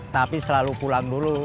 tapi selalu pulang dulu